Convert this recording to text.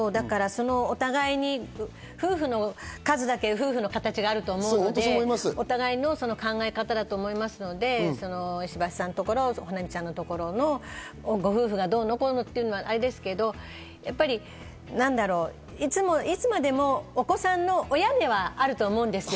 互いに、夫婦の数だけ夫婦の形があると思うので、お互いの考え方だと思うので、石橋さんのところ、保奈美ちゃんのところのご夫婦がどうのこうのっていうのは、あれですけれど、いつまでもお子さんの親ではあると思うんですよ。